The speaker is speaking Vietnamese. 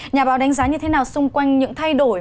nhà báo đánh giá như thế nào xung quanh những thay đổi